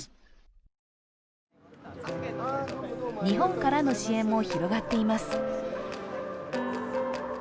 日本からの支援も広がっています。